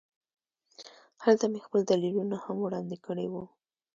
هلته مې خپل دلیلونه هم وړاندې کړي وو